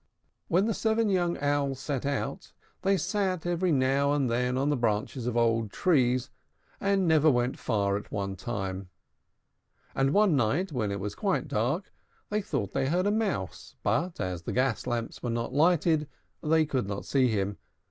When the seven young Owls set out, they sate every now and then on the branches of old trees, and never went far at one time. And one night, when it was quite dark, they thought they heard a mouse; but, as the gas lamps were not lighted, they could not see him.